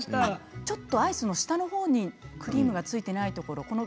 ちょっとアイスの下のほうにクリームがついていないところが。